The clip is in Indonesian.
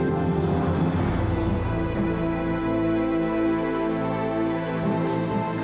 aku bisa menjelaskan semuanya